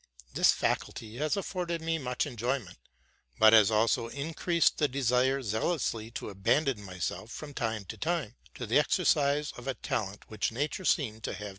This faculty has afforded me much enjoyment, but has also increased the desire zealously to abandon myself, from time to time, to the exercise of a talent which nature seemed to have denied me.